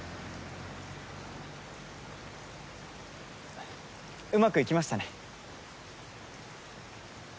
あっうまくいきましたね。